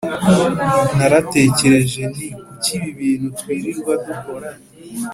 Naratekereje nti kuki ibi bintu twirirwa dukora